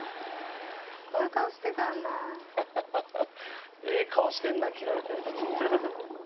・こういう顔してたんだ・ハハハハハええ顔してんな切られてる時。